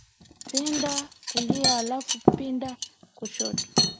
Pinda kulia, halafu pinda kushoto